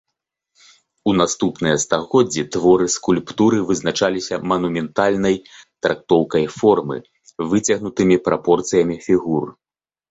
У наступныя стагоддзі творы скульптуры вызначаліся манументальнай трактоўкай формы, выцягнутымі прапорцыямі фігур.